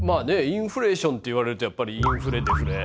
インフレーションといわれるとやっぱりインフレデフレ。